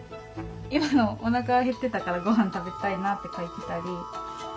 今のおなかが減ってたからごはん食べたいなって書いてたり。